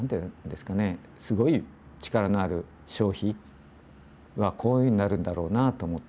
すごい力のある消費はこういうふうになるんだろうなと思って。